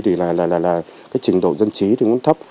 trình độ dân trí cũng thấp